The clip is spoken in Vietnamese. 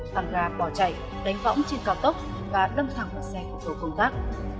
tăng ra bò chạy đánh võng trên cao tốc và đâm thẳng vào xe của cầu công tác